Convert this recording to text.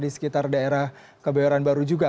di sekitar daerah kebayoran baru juga